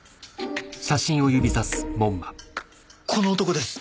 この男です！